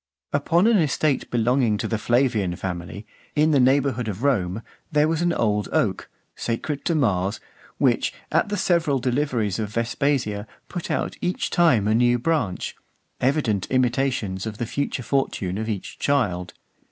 Upon an estate belonging to the Flavian family, in the neighbourhood of Rome, there was an old oak, sacred to Mars, which, at the three several deliveries of Vespasia, put out each time a new branch; evident intimations of the future fortune of each child.